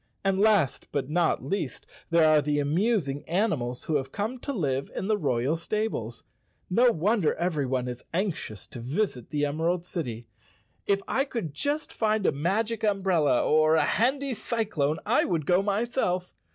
And last but not least there are the amusing animals who have come to live in the royal stables. No wonder everyone is anxious to visit the Emerald City. If I could just find a magic umbrella or a handy cyclone I would go myself.